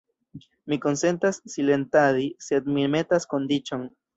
Mi konsentas silentadi; sed mi metas kondiĉon.